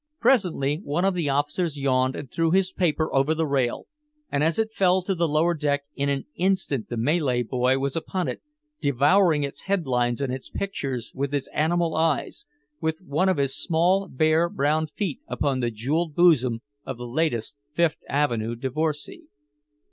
Presently one of the officers yawned and threw his paper over the rail, and as it fell to the lower deck in an instant the Malay boy was upon it, devouring its headlines and its pictures with his animal eyes, with one of his small bare brown feet upon the jeweled bosom of the latest Fifth Avenue divorcee.